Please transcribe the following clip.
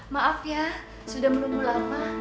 maaf ya sudah menunggu lama